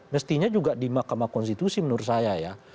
mestinya juga di mahkamah konstitusi menurut saya ya